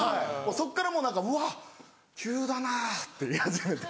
そっからもう何か「うわ急だな」って言い始めて。